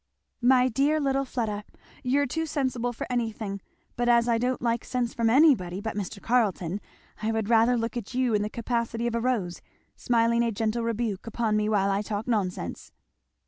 "My dear little Fleda! you're too sensible for anything; but as I don't like sense from anybody but Mr. Carleton I would rather look at you in the capacity of a rose, smiling a gentle rebuke upon me while I talk nonsense."